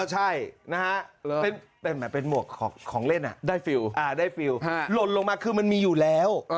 ใช่นะฮะเป็นหมวกของเล่นได้ฟิลได้ฟิลหล่นลงมาคือมันมีอยู่แล้ว